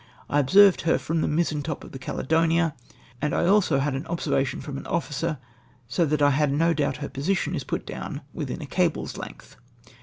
/ observed her from the ndzentop of the Gcdedonia *, and 1 also had an observation f om an officer, so that I have no doubt her position is put down within a cable's length."